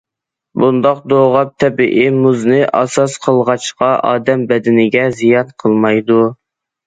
بۇنداق دوغاپ تەبىئىي مۇزنى ئاساس قىلغاچقا ئادەم بەدىنىگە زىيان قىلمايدۇ.